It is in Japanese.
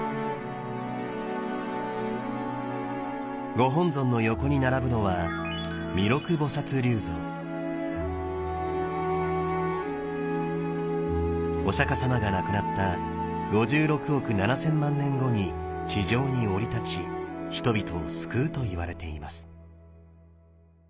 ご本尊の横に並ぶのはお釈様が亡くなった５６億７，０００万年後に地上に降り立ち人々を救うといわれています。